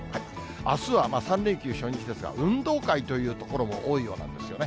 あすは３連休初日ですが、運動会というところも多いようなんですよね。